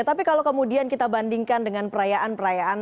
oke tapi kalau kemudian kita bandingkan dengan perayaan perayaan hari ini